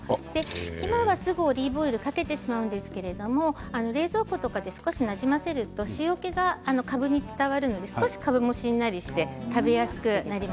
今はすぐオリーブオイルをかけてしまうんですが冷蔵庫とかで少しなじませると塩けが、かぶに伝わって少ししんなりして食べやすくなります。